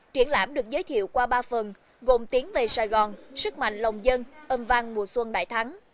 triển lãm được giới thiệu qua ba phần gồm tiến về sài gòn sức mạnh lòng dân âm vang mùa xuân đại thắng